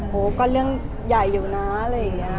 โหก็เรื่องใหญ่อยู่นะอะไรอย่างนี้